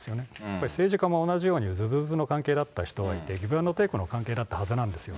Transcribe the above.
やっぱり政治家も同じようにずぶずぶの関係だった人がいて、ギブ＆テイクの関係だったはずですよ。